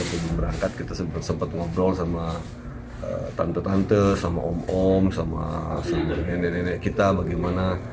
sebelum berangkat kita sempat ngobrol sama tante tante sama om om sama nenek nenek kita bagaimana